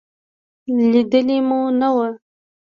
لېدلې مو نه وه.